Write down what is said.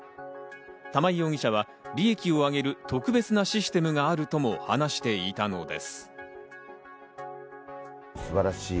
玉井容疑者は利益を上げる特別なシステムがあるとも話していたのです。